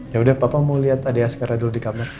yaudah papa mau liat adik askernya dulu di kamar